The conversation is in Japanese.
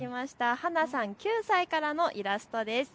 はなさん９歳からのイラストです。